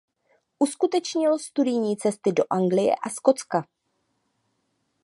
Uskutečnil studijní cesty do Anglie a Skotska.